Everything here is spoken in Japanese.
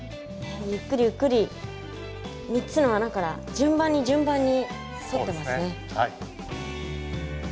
ゆっくりゆっくり３つの穴から順番に順番に。